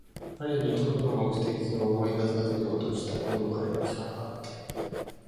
彼に当初の目的を思い出させようとした。でも、彼は聞かなかった。